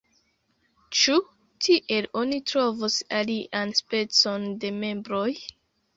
Ĉu tiel oni trovos alian specon de membroj?